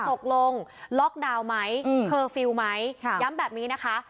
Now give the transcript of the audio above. ตกลงล็อกดาวน์ไหมเคอร์ฟิลล์ไหมย้ำแบบนี้นะคะ